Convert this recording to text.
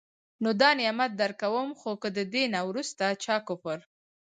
نو دا نعمت درکوم، خو که د دي نه وروسته چا کفر